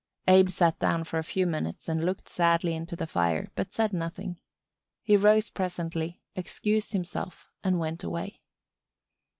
Abe sat down for a few minutes and looked sadly into the fire but said nothing. He rose presently, excused himself and went away.